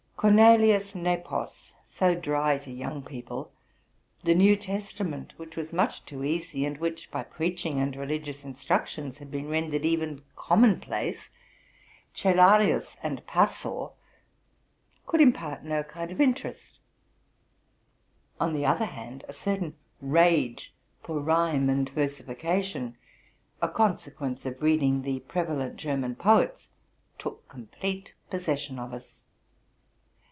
Cornelius Nepos, so dry to young people ; the New Testament, which was much too easy, and which by preaching and reli gious instructions had been rendered even common place ; Cellarius and Pasor, — could impart no kind of interest: on the other hand, a certain rage for rhyme and versification, a consequence of reading the prevalent German poets, took complete possession of us.